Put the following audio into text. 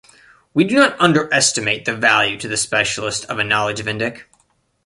We do not underestimate the value to the specialist of a knowledge of Indic.